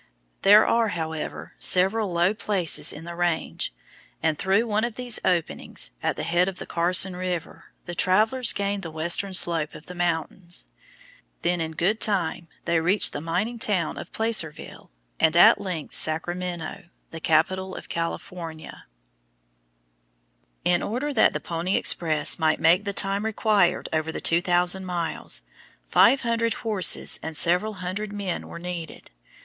There are, however, several low places in the range, and through one of these openings, at the head of the Carson River, the travellers gained the western slope of the mountains. Then in good time they reached the mining town of Placerville, and at length Sacramento, the capital of California. [Illustration: FIG. 91. CHIMNEY ROCK On the old overland trail near the Platte River, western Nebraska] In order that the pony express might make the time required over the two thousand miles, five hundred horses and several hundred men were needed.